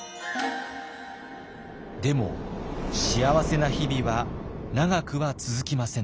でも幸せな日々は長くは続きませんでした。